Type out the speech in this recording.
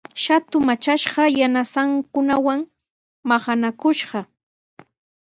Shatu matrashqa yanasankunawan maqanakushqa.